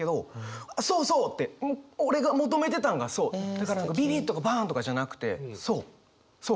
だからビビッとかバンとかじゃなくてそう。